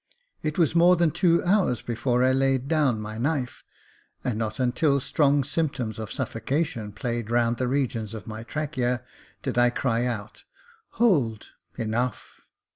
It was more than two hours before I laid down my knife, and not until strong symptoms of suffocation played round the regions of my trachea did I cry out, "Hold, enough."